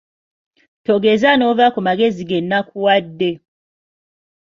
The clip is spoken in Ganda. Togeza n'ova ku magezi ge nakuwadde.